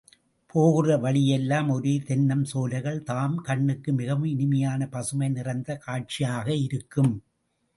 போகிற வழி எல்லாம் ஒரே தென்னம் சோலைகள் தாம், கண்ணுக்கு மிகவும் இனிமையான பசுமை நிறைந்த காட்சியாக இருக்கும்.